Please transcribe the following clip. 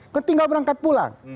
kan tinggal berangkat pulang